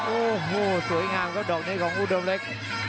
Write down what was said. โอ้โหสวยงามครับดอกนี้ของอุดมเล็ก